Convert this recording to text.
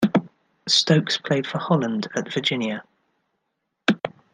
Stokes played for Holland at Virginia.